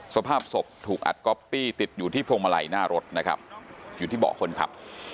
สภาพศพถูกอัดก๊อปปี้ติดอยู่ที่พวงมาลัยหน้ารถนะครับอยู่ที่เบาะคนขับ